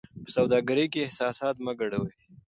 په سوداګرۍ کې احساسات مه ګډوئ.